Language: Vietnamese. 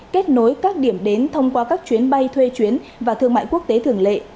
kết nối các điểm đến thông qua các chuyến bay thuê chuyến và thương mại quốc tế thường lệ